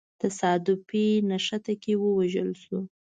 تصادفي نښته کي ووژل سو.